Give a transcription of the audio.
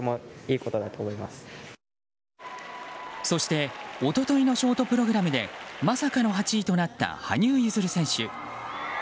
そして一昨日のショートプログラムでまさかの８位となった羽生結弦選手。